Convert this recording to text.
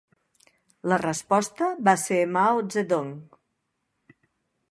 La resposta va ser Mao Zedong.